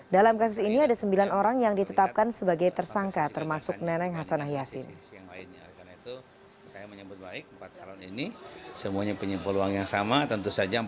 dalam kasus ini ada sembilan orang yang ditetapkan sebagai tersangka termasuk neneng hasanah yassin